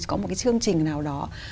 có một cái chương trình nào đó